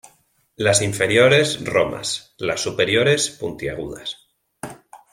Las inferiores romas, las superiores puntiagudas.